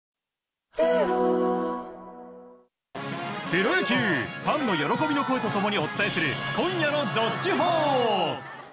プロ野球ファンの喜びの声と共にお伝えする今夜の「＃どっちほー」。